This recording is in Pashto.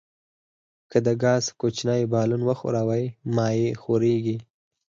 که د ګاز کوچنی بالون وښوروئ مایع ښوریږي.